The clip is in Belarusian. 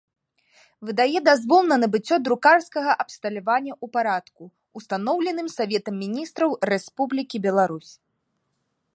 Выдае дазвол на набыццё друкарскага абсталявання ў парадку, устаноўленым Саветам Мiнiстраў Рэспублiкi Беларусь.